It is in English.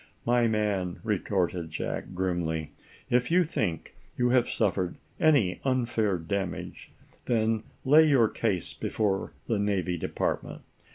"My man," retorted Jack, grimly, "if you think you have suffered any unfair damage, then lay your case before the Navy Department.